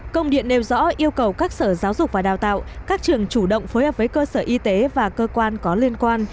công điện nêu rõ yêu cầu các sở giáo dục và đào tạo các trường chủ động phối hợp với cơ sở y tế và cơ quan có liên quan